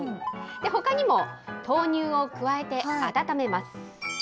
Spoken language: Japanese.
ほかにも豆乳を加えて、温めます。